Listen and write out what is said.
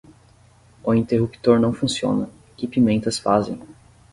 O interruptor não funciona, que pimentas fazem!